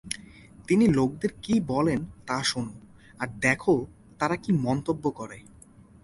তিনি লোকদের কি বলেন তা শোনো, আর দেখো তারা কী মন্তব্য করে।